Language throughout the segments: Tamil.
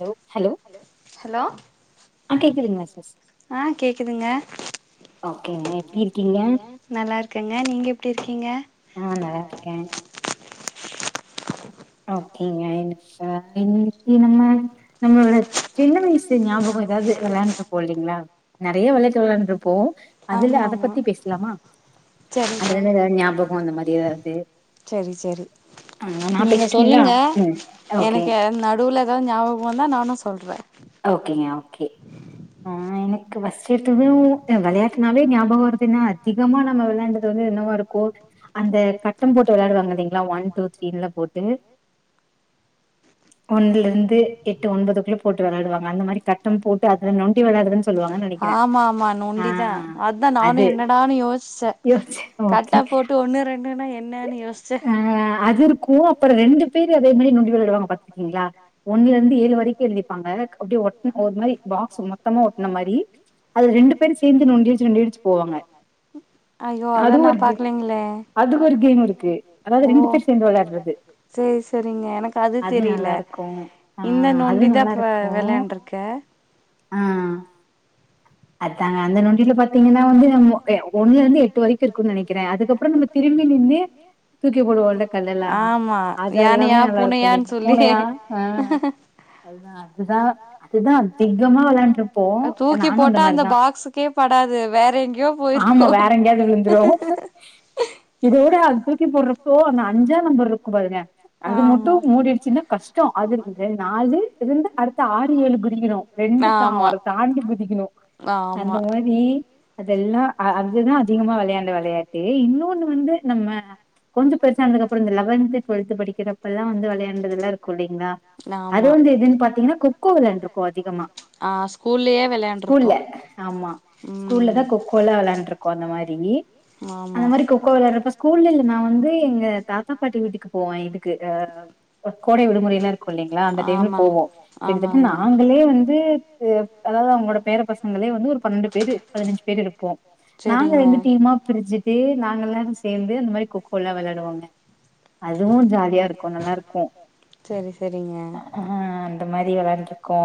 ஹலோ ஹலோ ஹலோ ஆ கேக்குதுங்ளா ஆ கேக்குதுங்க எப்டி இருக்கீங்க நல்லா இருக்கங்க நீங்க எப்டி இருக்கீங்க ஆ நல்லா இருக்கே ஓகேங்க என்ன [unintelligible] நம்ம நம்மளோட சின்ன வயசு ஞாபகம் ஏதாவது விளாண்டு இருப் போ இல்லைங்ளா நறைய விளையாட்டு விளாண்டுருப்போ அதுல அத பத்தி பேசலாமா அதுலருந்து ஏதாவது ஞாபகம் அந்த மாறி ஏதாவது சேரி நீங்க சொல்லுங்க எனக்கு நடுவுல ஏதாவது ஞாபகம் வந்தா நானும் சொல்றே ஓகேங்க ஓக்கே அ எனக்கு ஃபர்ஸ்ட்டு எடுத்ததும் விளையாட்டுனாவே ஞாபகம் வருதுன்னா அதிகமா நம்ம விளாண்ட து வந்து என்னவா இருக்கோ அந்த கட்டம் போட்டு வெளாடுவாங்க இல்லங் லா ஒன் டூ த்ரீன்லா போட்டு ஒன்லருந்து எட்டு ஒன்பதுக்குள்ள போட் டு வெளாடுவாங்க அந்த மாறி கட்டம் போட்டு அதுல நொண்டி விளையாட்றதுன்னு சொல்லுவாங்கன்னு நெனைக்கிறே ஆ அத்தா நானும் என்னடான்னு யோசிச்சே கரட்டா போட்டு ஒன்னு ரெண்டுனா என்னன்னு யோசிச் ஆ அது இருக்கும் அப்பறம் ரெண்டு தீர் அதே மாறியே நொண்டி வெளாடுவாங்க பாத்திருக்கீங்களா ஒன்ல இருந்து ஏழு வரைக்கும் எழுதிப் ஹேக் அப்டியே ஒட்ன ஒரு மாறி பாக்ஸ் மொத்தமா ஓட்ன மாறி அது ரெண்டு பேரும் சேந்து நொண்டி அடிச்சு நொண்டி அடிச்சு போவாங்க அ உம் ஐய்யோ அத நா பாக்கலங்களே அதுக்கு ஒரு கேம் இருக்கு ஓ அது ரெண்டு பேரு சேந்து வெளாட்றது சேரி சரிங்க எனக்கு அது தெரில இந்த நொண்டிதா இப்ப வெளாண்டுருக்க ஹா அத்தாங்க அந்த நொண்டில பாத்தீங்கன்னா வந்து நம்போ ஒன்னுல இருந்து எட்டு வரைக்கும் இருக்குன்னு நெனைக்கிறே அதுக்கப்புற நம்ம திரும்பி நின்னு தூக்கி போடுவோல்ல கல்லு எல்லா அது எல்லாமே நல்லா இருக்கும் இல்லங்க பூனையா ஆ அதுதா அதுதா அதுதா அதிகமா வெளாண்டுருப்போ போட்டா அந்த பாக்ஸ்சுக்கே படாது வேற எங்யோ போயிருக்கும் ஆமா வேற எங்கயாவது இதேதா அது தூக்கி போட்றப்போ அந்த அஞ்சா நம்பர் இருக்கும் பாருங்க அது மட்டும் மூடிடுச்சுன்னா கஷ்டம் அது நாலு இருந்து அடுத் து ஆறு ஏழு குதிக்கணு ரெண்டு தா அவர தாண்டி குதிக்கணு அந்த மாறி அதெல்லா அதுதா அதிகமா வெளாண்ட விளையாட்டு இன்னொன்னு வந்து நம்ம கொஞ்சோ பெருசானதுக்கு அப்றோ இந்த லெவன்த்து டுவெல்த்து படிக்கிறப்பல்லா வந்து வெளாண்டதெல்லா இருக்கும் இல்லைங்ளா அது வந்து எதுன்னு பாத்தீங்கன்னா கொக்கோ விளையாண்ருக்கோ அதிகமா ஆ ஸ்கூல்லயே ஸ்கூல்ல ஆமா ஸ்கூல்லதா கொக்கோல்லா விளாண்டுருக்கோ அந்த மாறி அந்த மாறி கொக்கோ விளாட்றப்ப ஸ்கூல்ல இல்ல நா வந்து எங்க தாத்தா பாட்டி வீட்டுக்கு போவே இதுக்கு அ கோடை விடுமுறை எல்லா இருக்கும் கு இல்லைங்களா அந்த டைம்ல போவோ கிட்டதட்ட நாங்களே வந்து தலவாணி அவுங்களோட பேர பசங்களே வந்து ஒரு பன்னெண்டு பேரு பதினஞ்சு பேரு இருப்போ நாங்க ரெண்டு டீமா பிரிஞ்சி ட்டு நாங்க எல்லாரு சேந்து இந்த மாரி கொக்கோல்லா வெளையாடுவோங்க அதுவு ஜாலியா இருக்கு நல்லாருக்கு அ ஆ அந்த மாரி வெளாண்ட்ருக் கோ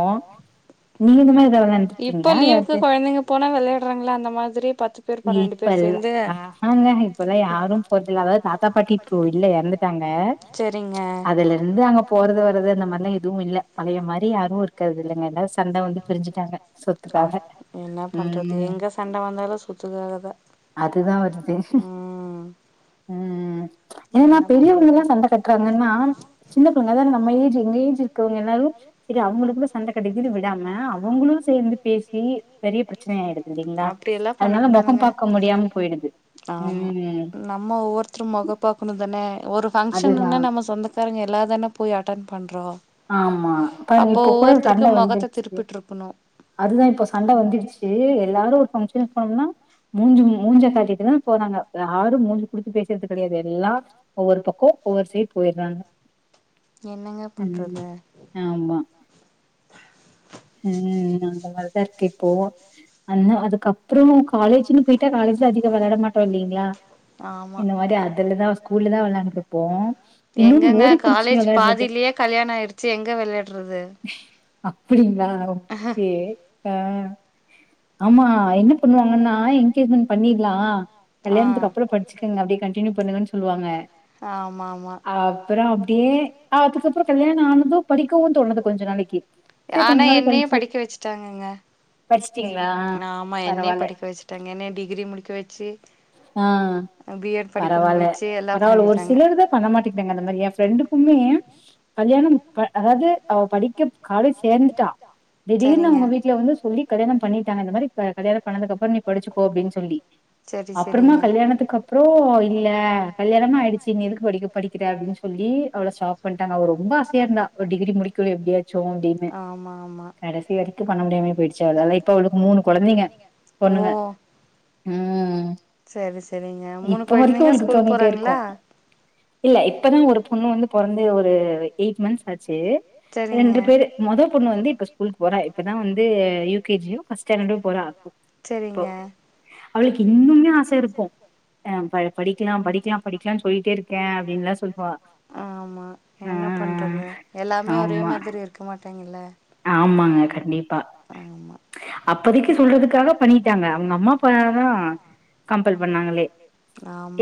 நீங்க இந்த மாரி வெளாண்ட்ருக்கீங் இப்போ லீவுக்கு கொழந்தைங்க போனா வெளையாட்றாங்களா அந்த மாதிரி பத்து பேர் பன்னெண்டு பேர் சேந்து அதாங்க இப்பல்லா யாரு போற்தில்ல அதாது தாத்தா, பாட்டி போ இல்ல எறந்துட்டாங்க அதுலர்ந்து அங்க போறது வரது அந்த மாரில்லா எதுவு இல்ல பழைய மாரி யாரு இருக்கற்தில்லங்க எல்லாரு சண்ட வந்து பிரிஞ்சுட்டாங்க ஆ என்னா பண்றது எங்க சண்ட வந்தாலு சொத்துக்காக தா அப்டி தா வர்து ம் ம் என்னனா பெரியவங்கல்லா சண்ட கட்றாங்கன்னா சின்ன பிள்ளைங்க அதாங்க நம்ம ஏஜு எங்க ஏஜு இருக்கவுங்க எல்லாரு செரி அவுங்களுக்குள்ள சண்டக்கட்டிக்கிது விடாம அவுங்குளு ந்து பேசி பெரிய பிரச்சனை ஆய்டுது இல்லீங்களா அதுனால மொகோ பாக்க முடியாம போய்டுது ஆமா நம்ம ஒவ்வொருத்ரு மொகோ பாக்கணு தான ஒரு ஃபங்க்ஷனுன்னா நம்ம சொந்த க்காரங்க எல்லா தான போய் அட்டன் பண்றோ அப்போ ஒவ்வொருத்தருக்கு மொகத்த திருப்பிட்ருக்கணு அதுதா இப்ப சண்ட வந்திருச்சி எல்லாரு ஒரு ஃபங்க்ஷனுக் போனம்னா மூஞ்சு மு மூஞ்ச காட்டிட்டுதா போறாங்க யாரு மூஞ்சு குடுத்து பேசற்து கெடையாது எல்லா ஒவ்வொரு பக்கோ ஒவ்வொரு சைட் போயிர்றாங்க ம் ஆமா ம் அந்த மாரிதா இர்க் இப்போ ஆனா அதுக்கப் றோ காலேஜுன்னு போய்ட்டா காலேஜ்ல அதிகோ வெளாட மாட்டோ இல்லீங்ளா இந்த மாரி அதுலதா ஸ்கூல்ல தா வெளாண்ருப்போ இன்னு ஓடி புடிச்சு வெளையாட்றது கல்யாணோ ஆயிடுச்சி எங்க வெளையாட்றது அப்பிடிங்ளா ஓகே கே ஆ ஆமா என்ன பண்வாங்கன்னா எங் கேஜ்மன் பண்ணீர்லா கல்யாணத்துக்கப்பறோ படிச்சிக்குங்க அப்டியே கண்ட்டினியூ பண்ணுங்கன் சொல்வாங்க ஆமாமா அப்பறோ அப்டியே ஆ அதுக்கப்றோ கல்யாணோ ஆனது படிக்கவு தோணாது கொஞ்ச நாளைக்கி சேர் கொஞ்ச நாள் கழிச்சி ச்சாங்கங்க ஆமா என்னய படிக்க வஸ்ட்டாங்க என்னய டிகிரி முடிக்க வெச்சி ஆ பரவால்ல பரவால்ல ஒரு சிலரு தா பண்ண மாட்டிக்றாங்க அந்த மாரி ஏ ஃப்ரெண்டுக்குமே கல்யாணம் ப அதாவ்து அவ படிக்க காலேஜ் சேந்துட்டா திடீர்னு அவுங்க வீட்ல வந்து சொல்லி கல்யாணம் பண்ணீட்டாங்க இந்த மாரி க கல்யாணம் பண்ணதுக்கப்றோ நீ படிச்சுக்கோ அப்டின் சொல்லி அப்பறமா கல்யாணத்துக்கப்றோ இல்ல கல்யாணமு ஆய்டுச்சி இனி எதுக்கு படிக்க படிக்கிற அப்டின் சொல்லி அவள ஸ்டாப் பண்ட்டாங்க அவ ரொம்ப ஆசயா இர்ந்தா ஒரு டிகிரி முடிக்கணு எப்டியாச்சு அப்டினு கடசி வரைக்கு பண்ண முடியாமயே போய்டுச்சி அவளால இப்ப அவளுக் மூணு கொழந்தைங்க பொண்ணுங்க சேரி செரிங்க மூணு கொழந்தைங்க ஸ்கூல் போறாங்ளா இல்ல இப்பதா ஒரு பொண்ணு வந்து பொறந்து ஒரு எய்ட் மன்ஸ் ஆச்சு ரெண்டு பேரு மொத பொண்ணு வந்து இப்ப ஸ்கூலுக் போறா இப்பதா வந்து யூ கே ஜி யோ ஃபஸ் ஸ்டேண்டடோ போறா இப்போ அவளுக்கு இன்னுமே ஆச இருக்கு படிக்லா படிக்லா படிக்லானு போயிட்டே இருக்கே அப்டின்லா சொல்லுவா என்ன பண்றது எல்லாமே ஒரே மாதிரி இருக் க்க மாட்டாங்கல்ல ஆ அப்பதக்கி சொல்றதுக்காக பண்ணிகிட்டாங்க அவுங்க அம்மாபானாலதா கம்பல் பண்ணாங்களே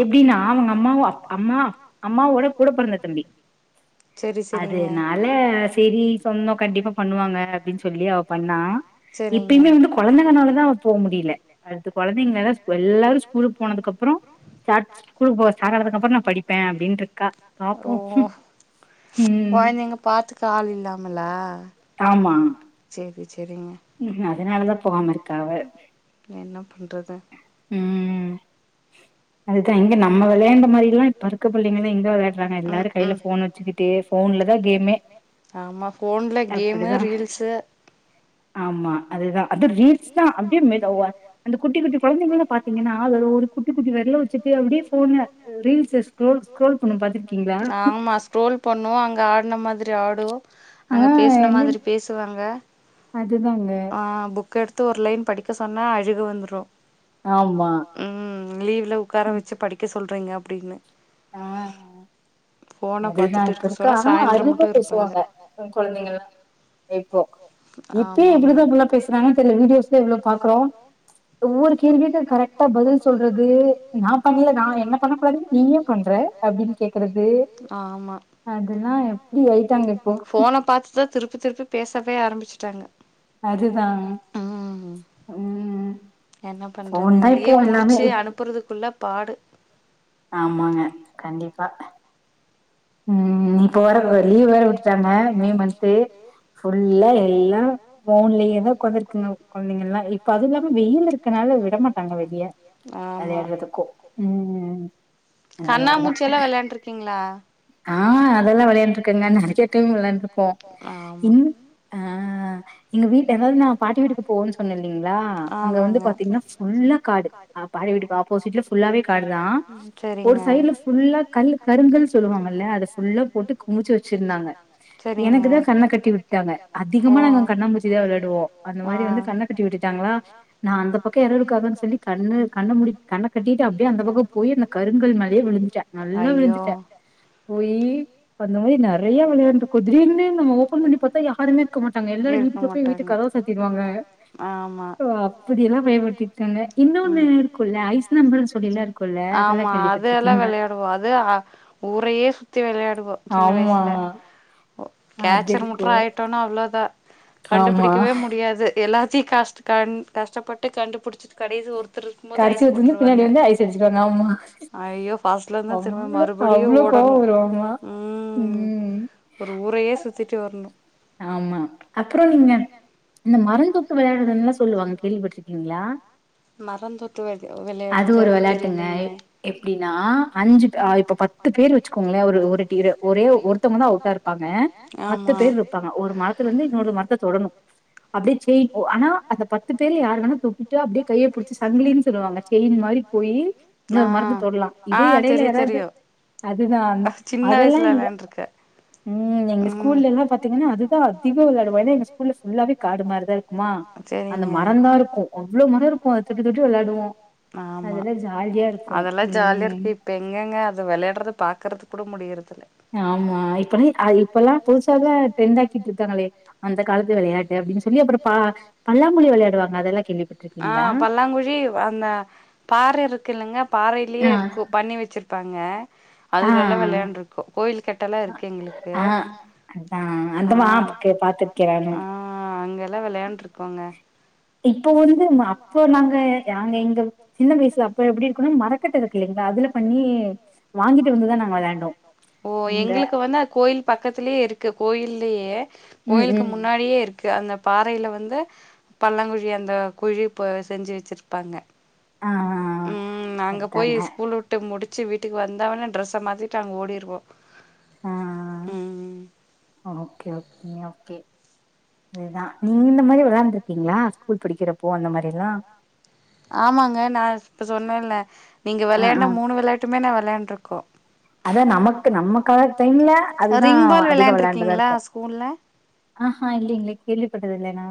எப்டின்னா அவுங்க அம்மாவு அம்மா அம்மாவோட கூட பொறந்த தம்பி அதுனால சேரி சொந்தொ கண்டிப்பா பண்ணு வாங்க அப்டின்னு சொல்லி அவ பண்ணா இப்பயுமே இப்ப வந்து கொழந்தைங்கனால தா போ முடில அடுத்து கொழந்தைங்கலா எல்லாரு ஸ்கூலுக்கு போனதுக்கு அப்றோ சார்ஜ் ஸ்கூலுக்கு போவ ஸ்டாரதுக்கு அப்பறோ நா படிப்ப அப்டின்ருக்கா பாப்போ கொழந்தைங்க பாத்துக்க ஆள் இல்லாமலா சேரி சேரிங்க ம் அதுனாலதா போவாம இருக்கா அவ ம் அதுதா இங்க நம்ம வெளயாண்ட மாரில்லா இப்ப இருக்க புள்ளைங்கல்லா எங்க வெளாட்றாங்க எல்லாரு கையில ஃபோனு வச்சுகிட் டே ஃபோன்லதா கேமே ஆமா ஃபோன்ல கேமு ரீல்ஸு ஆமா அதுதா அது ரீல்ஸ்தா அப்டியே அந்த குட்டி குட்டி கொழந்தைகள பாக் இங்கன்னா ஒரு குட்டி குட்டி வெரல வச்சுட்டே reels phone reels scroll scroll பொண்ணு பாத்திருக்கீங்ளா ரோல் பண்ணுவாங்க ஆடுன மாதிரி ஆடு அங்க பேசுன மாரி பேசுவாங்க அ புக் புக்க எடுத்து ஒரு லைன் படிக்க சொன்னா அழுக வந்துரு ஆமா ம் லீவ்ல உக்கார வச்சு படிக்க சொல்றீங்க அப்டின்னு ஆ அதேதா இப்ப இருக்க ஆனா அறிவா பேசுவாங்க எ கொழந்தைங்கல்லா இப்போ இப்பயே எப்டிதா இப்பில்ல பேசுராங்குனு தெரில வீடியோஸ்ல எவ்ளோ பாக்கோ ஒவ்வொரு கேள்விக்கு கரெக்ட்டா பதில் சொல்றது நா பண்ல நா என்ன பண்ண கூடாதுன்னு நீ ஏ பண்ற அப்டின்னு கேக்கறது ஆமா ஃபோன பத்துதா திருப்பி திருப்பி பேசவே ஆரம்பிச்சுட்டாங்க அதுதா ம் என்ன பண்றது லீவ் முடிச்சு அனுப்புறதுக்குள்ள பாடு ஆமாங்க கண்டிப்பா ம் இப்ப வர லீவ் வேற விட்டுடாங்க மே மன்து ஃபுல்லா எல்லா ஃபோன்லயே தா உக்காந்திருக்குங்க கொழந்தைங்கல்லா இப்ப அது இல்லாம வெயில் இருக்கனால விடமாட் டாங்க வெளிய வெளையாடுறதுக்கும் ம் கண்ணாமூச்சு எல்லா வெளையாண்டுருக்கீங்களா ஆ அதெல்லா வெளையாண்டுருக்கங்க நெறைய டைம் விளையாண்டுருக்கோ இந் ஆ எங்க வீட்டு எல்லாரு நா பாட்டி வீட்டுக்கு போவோன்னு சொன்னே இல்லைங்களா அங்க வந்து பாத்தீங்கன்னா ஃபுல்லா காடு அ பாடி வீட்டுக்கு ஆப்போசிட்ல ஃபுல்லாவே காடுதா ஒரு சைடு்ல ஃபுல்லா கல்லு கருங்கல் சொல்லுவாங் ள்ள அத ஃபுல்லா போட்டு குமிச்சு வச்சிருந்தாங்க எனக்குதா கண்ண கட்டி விட்டாங்க அதிகமா நாங்க கண்ணாமூச்சிதா விளையாடுவோ அந்த மாரி வந்து கண்ண கட்டி விட்டுட்டாங்களா நா அந்த பக்க யாரோ இருக்காங்கன்னு சொல்லி கண்ணு கண்ண மூடி கண்ண கட்டிட்டு அப்டியே அந்த பக்க போய் அந்த கருங்கல் மேலயே விழுந்துட்ட நல்லா விழுந்துட்ட போய் அந்த மாரி நெறைய விளையாண்ருக்கோ திடீர்னு நம்ம ஓபன் பண்ணி பாத்தா யாருமே இருக்க மாட்ட அங்க எல்லாரு வீட்டுக்குள்ள போய் வீட்டு கதவ சாத்திடுவாங்க ஆமா ஓ அப்டியெல்லா பயமுறித்திர்காங்க இன்னொ ஒன்னு இருக்குல்ல ஐஸ் நம்பர்னு சொல்லில்லா இருக் குள்ள அதெல்லா கேள்விப்பட்டிருக்கீங்களா அதுவோ அது ஊரையே சுத்தி விளையாடுவோ ஜின்ன வயசுல கேச்சர் மட்டு ஆயிட்டோம்னா அவ்ளோதா கண்டுபிடி முடியாது எல்லாத்தையு கஷ்ட் கண் கஷ்டபட்டு கண்டுபுடிச்சி கடைசி ஒருத்தர் இருக்கும் போது ஐஸ் போட்ருவாங்க ஐயோ ஃபாஷ் ட்ல இருந்து திரும்ப மறுபடியு ஓடணு ம் ஒரு ஊரையே சுத்திட்டு வரணு ஆமா அப்புற நீங்க இந்த மரந்தொட்டு வெளயாடுரதுல்லா சொல்லுவாங்க கேள்விப்பட்டிருக்கீங்களா மரந்தொட்டு வெ வெள அது ஒரு வெளாட்டுங்க எப் எப்டின்னா அஞ்சு இப்ப பத்து ஆமா பேர் இருப்பாங்க ஒரு மரத்துல இருந்து இன்னொரு மரத்த தொடணு அப்டியே செயின்போ ஆனா அந்த பத்து பேர்ல யாரு வேணா தொட்டுட்டு அப் அப்டியே கைய புடிச்சு சங்கிலின் சொல்வாங்க செயின் மாதிரி போய் இன்னொரு மரத்த தொட்லா இதே எடையில யாராவ்து அதுதா அதெல்லா எங்க ம் எங்க ஸ்கூல்லல்லா பாத்தீ ங்கனா அதுதா அதிக வெளாடுவ ஏன்னா எங்க ஸ்கூல்ல ஃபுல்லாவே காடு மாரிதான் இருக்குமா அந்த மரம் தா இருக்கு இவ்வளோ மரம் இருக்கும் அத தொட்டு தொட்டு வெளாடுவோ அதெல்லா ஜாலியா இருக்கு ம் இப்ப எங்கெங்க அத வெளையாடுறத பாக்குறதுக் கூட முடியறதில்ல ஆமா இப்பல் இப்பெல்லா புதுசாவே ட்ரெண்ட் ஆக்கிட்டு இருக்காங்கல்லே அந்த காலத்து வெளையாட்டு அப்டின்னு சொல்லி அப்புற பா பல்லாங்குழி வெளையாடுவாங்க அதெல்லா கேள்விப்பட் ஆ பல்லாங்குழி அந்த பாற இருக்கு இல்லைங்க பாறையிலயே இருக்கும் பண்ணி வச்சிருப்பாங்க அதுலல்லா வெளையாண்டு இருக்கோ கோயில் கட்டல்லா இருக்கு எங்களுக்கு அதான் அந்த மாப்புக்கு பாத்துருக்கிறனும் ஆ அங்கெல்லாம் வெளையாண்டு இருக்கோங்க இப்போ வந்து அப்போ நாங்க நாங்க எங்க ஜின்ன வயசுல அப்ப எப்டி இருக்கனும் மறக் கட்ட இருக்கு இல்லீங்களா அதுல பண்ணி வாங்கிட்டு வந்துதான் நாங்க வெளாண்டோம் எங்க பக்கத்திலேயே இருக்கு கோயில்லயே கோயிலுக்கு முன்னாடியே இருக் கு அந்த பாறையில வந்து பல்லாங்குழி அந்த குழி ப செஞ்சு வச்சிருப்பாங்க ம் நாங்க போய் ஸ்கூல் வுட் டு முடிச்சு வீட்டுக்கு வந்த ஒட்னே டிரெஸ்ச மாத்திட்டு அங்க ஓடிருவோம் ம் ஓகே ஓகேங்க ஓகே அதுதான் இந்த மாதிரி வெளாண்டுருக்கீங்களா ஸ்கூல் படிக்கறப்போ அந்த மாரி எல்லாம் ஆமாங்க நான் இப்ப சொன்னேன்ல்ல நீங்க வெளையாண்ட மூணு வெளாட்டுமே நான் வெளாண்டுருக்கோம் ரிங்பால் வெளாண்டு இருக்கீங்களா ஸ்கூல்ல ஆ ஹா இல்லீங்களே கேள்விப்பட்டதில்ல நா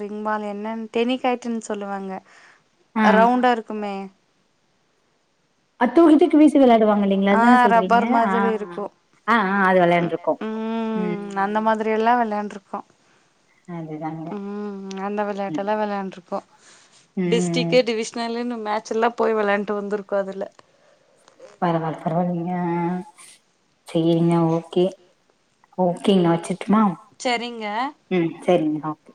ரிங் பால் என்னன் டெனிக்காய்டன் சொல்வாங்க ரவுண்டா இருக்குமே அ தூக்கி தூக்கி வீசி வெளாடுவாங்க இல்லேங்களே அதுதானே சொல்றீங்க ஆஹ் ஆஹ். அது வெளாண்டுருக்கோம் உம் அந்த மாதிரி எல்லாம் வெளாண்டுருக்கோம் உம் அந்த வெளாட்டு எல்லாம் வெளாண்டு இருக்கோம் டிஸ்ட்ரிக்ட்டு டிவிஷ் னல்ன்னு மேட்ச்செலல்லாம் போய் வெளாண்ட்டு வந்துருக்கோம் அதுல பரவால்ல பரவாயில்லீங்க சேரிங்க ஓகே ஓகேங்க நா வச்சுறட்டுமா செரிங்க ம் செரிங்க ஓகே